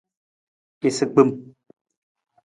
Isagbim.